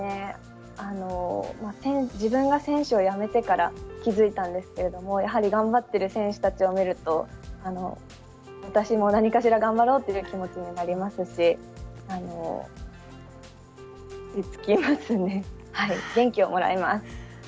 自分が選手をやめてから気付いたんですけどやはり頑張ってる選手たちを見ると私も何かしら頑張ろうという気持ちになりますし元気をもらいます。